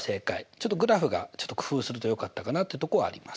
ちょっとグラフが工夫するとよかったかなというとこはあります。